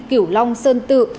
kiểu long sơn tự